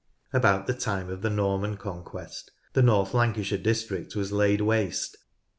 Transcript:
About the time of the Norman conquest the North Lancashire district was laid waste.